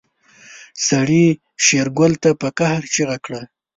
سړي شېرګل ته په قهر چيغه کړه.